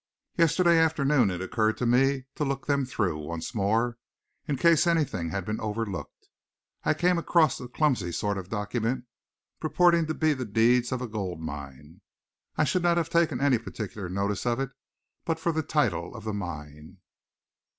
Yesterday afternoon, it occurred to me to look them through once more, in case anything had been overlooked. I came across a clumsy sort of document purporting to be the deeds of a gold mine. I should not have taken any particular notice of it but for the title of the mine."